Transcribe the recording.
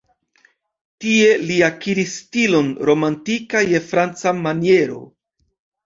Tie li akiris stilon romantika je franca maniero.